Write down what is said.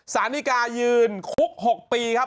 สารนิกายืนคุก๖ปีครับ